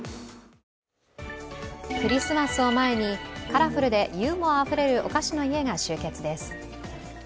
クリスマスを前にカラフルでユーモアあふれるお菓子の家が集結です。